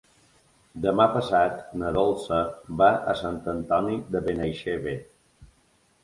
Demà passat na Dolça va a Sant Antoni de Benaixeve.